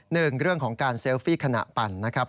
หนึ่งเรื่องของการเซลฟี่ขณะปั่นนะครับ